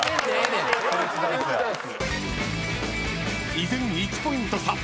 ［依然１ポイント差］